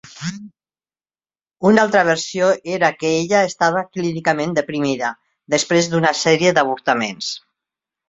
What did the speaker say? Una altra versió era que ella estava clínicament deprimida, després d'una sèrie d'avortaments.